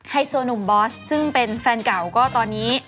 โซนุ่มบอสซึ่งเป็นแฟนเก่าก็ตอนนี้